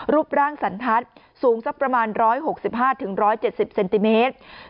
รูปร่างสันทัศน์สูงสักประมาณ๑๖๕๑๗๐เซนติเมตร